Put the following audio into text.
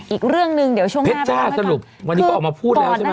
อีกเรื่องนึงเผ็ดจ้าสนุกเวลานี้เขาออกมาพูดแล้วใช่ไหม